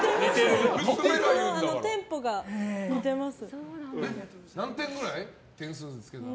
テンポが似てます。